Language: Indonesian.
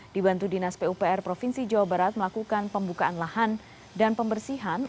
dibantu dinas pupr provinsi jawa barat melakukan pembukaan lahan dan pembersihan